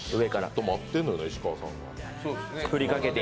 ずっと待ってんのよね、石川さんが。